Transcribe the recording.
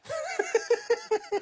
フフフフ！